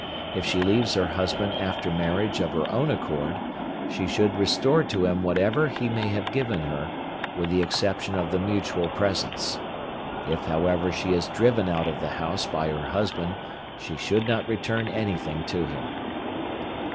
If she leaves her husband after marriage of her own accord, she should restore to him whatever he may have given her, with the exception of the mutual presents. If however she is driven out of the house by her husband she should not return anything to him.